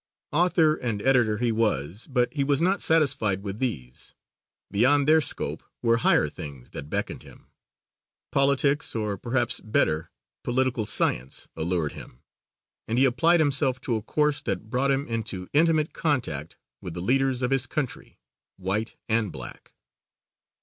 Author and editor he was, but he was not satisfied with these. Beyond their scope were higher things that beckoned him. Politics, or perhaps better, political science, allured him, and he applied himself to a course that brought him into intimate contact with the leaders of his country, white and black.